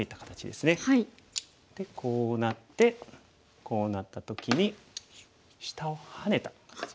でこうなってこうなった時に下をハネた形です。